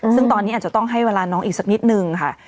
ซึ่งตอนนี้อาจจะต้องให้เวลาน้องอีกสักนิดนึงค่ะ